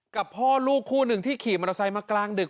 กับพ่อลูกคู่หนึ่งที่ขี่มอเตอร์ไซค์มากลางดึก